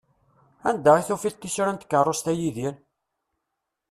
Anda i tufiḍ tisura n tkerrust, a Yidir?